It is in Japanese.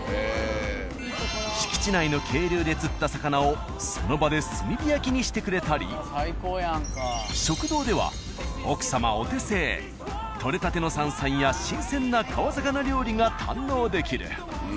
敷地内の渓流で釣った魚をその場で炭火焼きにしてくれたり食堂では奥様お手製採れたての山菜や新鮮な川魚料理が堪能できる。